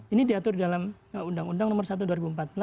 ini diatur dalam undang undang nomor satu dua ribu empat belas